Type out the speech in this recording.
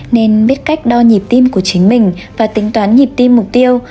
nên biết cách đo nhịp tim của chính mình và tính toán nhịp tim mục tiêu